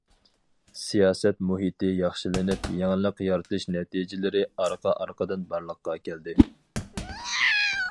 سىياسەت مۇھىتى ياخشىلىنىپ، يېڭىلىق يارىتىش نەتىجىلىرى ئارقا- ئارقىدىن بارلىققا كەلدى.